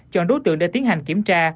chọn đối tượng để tiến hành kiểm tra